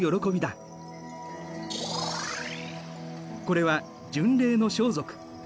これは巡礼の装束。